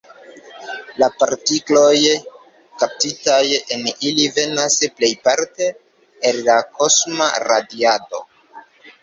La partikloj kaptitaj en ili venas plejparte el la kosma radiado.